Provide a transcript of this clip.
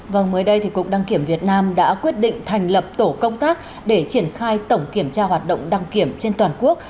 vâng mới đây cục đăng kiểm việt nam đã quyết định thành lập tổ công tác để triển khai tổng kiểm tra hoạt động đăng kiểm trên toàn quốc